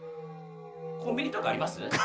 コンビニとかあります？